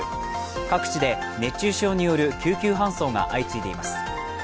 各地で熱中症による救急搬送が相次いでいます。